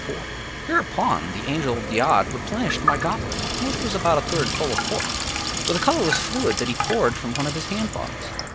” Hereupon the Angel of the Odd replenished my goblet (which was about a third full of Port) with a colorless fluid that he poured from one of his hand bottles.